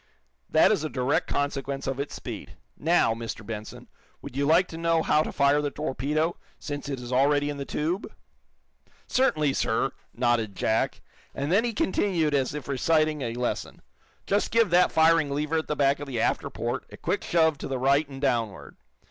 That is a direct consequence of its speed. Now, Mr. Benson, would you like to know how to fire the torpedo, since it is already in the tube?" "Certainly, sir," nodded Jack. And then he continued as if reciting a lesson: "Just give that firing lever at the back of the after port a quick shove to the right and downward.